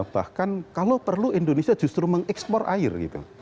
bahkan kalau perlu indonesia justru mengeksplor air